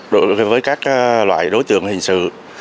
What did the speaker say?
đối với các loại đối tượng hình sự